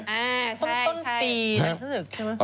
ต้นปีนะน่าจะสนึก